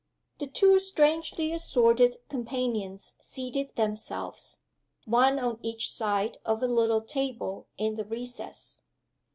The two strangely assorted companions seated themselves, one on each side of a little table in the recess.